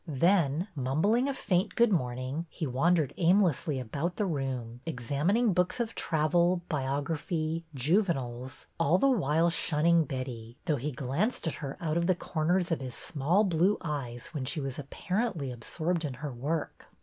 Then, mumbling a faint good morning, he wan dered aimlessly about the room, examining books of travel, biography, juveniles, all the while shun ning Betty, though he glanced at her out of the corners of his small blue eyes when she was apparently absorbed in her work.